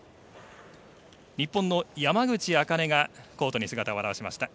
日本の山口茜がコートに姿を現しました。